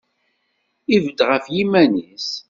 Ibedd ɣef yiman-is.